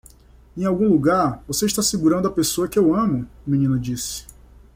"Em algum lugar você está segurando a pessoa que eu amo?" o menino disse.